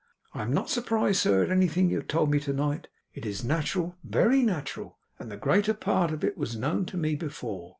I am not surprised, sir, at anything you have told me tonight. It is natural, very natural, and the greater part of it was known to me before.